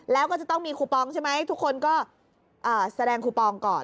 แล้วก็จะต้องมีคูปองใช่ไหมทุกคนก็แสดงคูปองก่อน